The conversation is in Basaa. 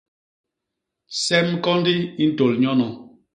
Semkôndi i ntôl nyono.